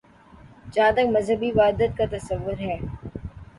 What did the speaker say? جہاں تک مذہبی وحدت کا تصور ہے۔